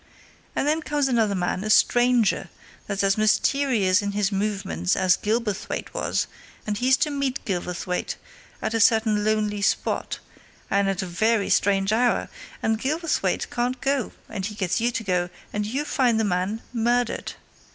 And then comes another man, a stranger, that's as mysterious in his movements as Gilverthwaite was, and he's to meet Gilverthwaite at a certain lonely spot, and at a very strange hour, and Gilverthwaite can't go, and he gets you to go, and you find the man murdered!